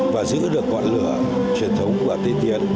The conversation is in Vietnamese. để giữ được gọn lửa truyền thống của tây tiến